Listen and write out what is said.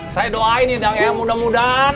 saya doain nih mudah mudahan